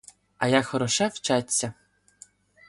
А як хороше вчаться!